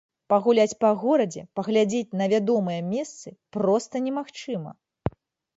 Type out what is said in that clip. Пагуляць па горадзе, паглядзець на вядомыя месцы проста немагчыма.